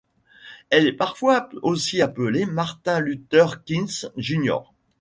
Elle est parfois aussi appelée Martin Luther King, Jr.